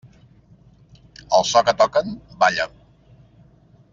Al so que toquen, balla.